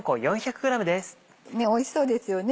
おいしそうですよね